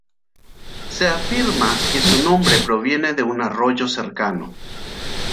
Se afirma que su nombre proviene de un arroyo cercano.